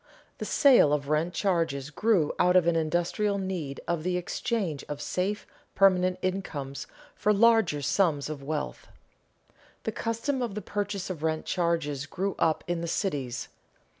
_The sale of rent charges grew out of an industrial need of the exchange of safe permanent incomes for larger sums of wealth._ The custom of the purchase of rent charges grew up in the cities.